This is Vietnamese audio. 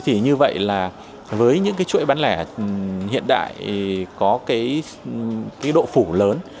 thì như vậy là với những chuỗi bán lẻ hiện đại có độ phủ lớn